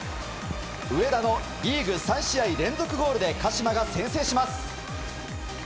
上田のリーグ３試合連続ゴールで鹿島が先制します。